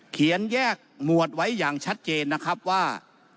แยกหมวดไว้อย่างชัดเจนนะครับว่า